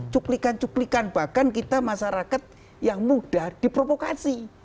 cuplikan cuplikan bahkan kita masyarakat yang mudah diprovokasi